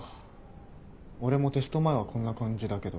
俺もテスト前はこんな感じだけど。